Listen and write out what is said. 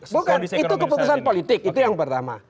bukan itu keputusan politik itu yang pertama